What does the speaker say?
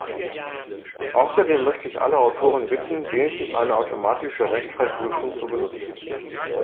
Außerdem möchte ich alle Autoren bitten, wenigstens eine automatische Rechtschreibprüfung zu benutzen.